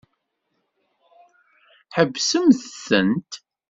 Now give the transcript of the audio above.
Ḥebsemt-tent!